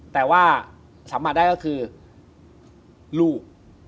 แต่ว่าสัมผัสได้ก็คือลูก